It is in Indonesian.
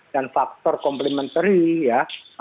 dan faktor komplementari ya